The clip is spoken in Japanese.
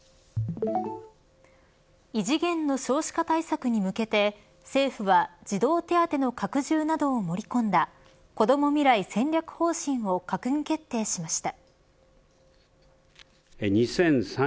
異次元の少子化対策に向けて政府は児童手当の拡充などを盛り込んだこども未来戦略方針を閣議決定しました。